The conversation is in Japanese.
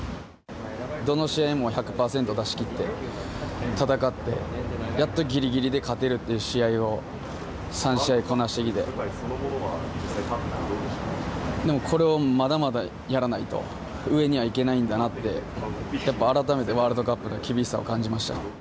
どの試合も１００％出し切って戦って、やっとぎりぎりで勝てるという試合を３試合こなしてきてでもこれをまだまだやらないと上には行けないんだなってやっぱ改めてワールドカップの厳しさを感じましたね。